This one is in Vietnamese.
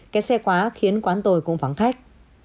kẹt xe quá khiến quán tồi cũng vắng khách